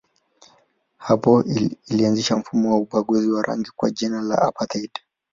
Hapo ilianzisha mfumo wa ubaguzi wa rangi kwa jina la apartheid.